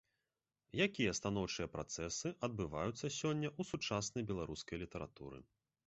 Якія станоўчыя працэсы адбываюцца сёння ў сучаснай беларускай літаратуры?